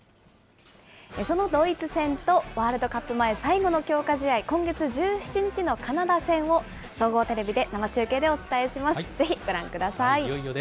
そのドイツ戦と、ワールドカップ前、最後の強化試合、今月１７日のカナダ戦を、総合テレビで生中継でお伝えします。